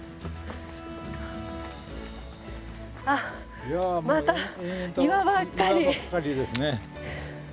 あっまた岩ばっかりですね。